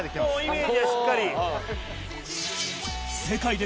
イメージはしっかり。